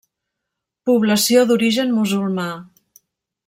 Població d'origen musulmà.